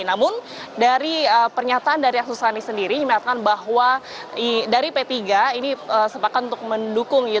namun dari pernyataan dari arsul sani sendiri menyatakan bahwa dari p tiga ini sepakat untuk mendukung